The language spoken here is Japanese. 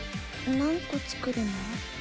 何個作るの？